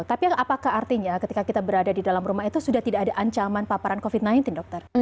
tapi apakah artinya ketika kita berada di dalam rumah itu sudah tidak ada ancaman paparan covid sembilan belas dokter